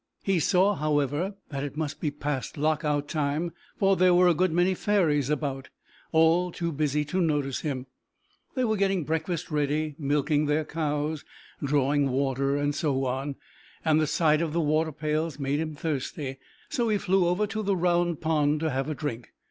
He saw, however, that it must be past Lock out Time, for there were a good many fairies about, all too busy to notice him; they were getting breakfast ready, milking their cows, drawing water, and so on, and the sight of the water pails made him thirsty, so he flew over to the Round Pond to have a drink.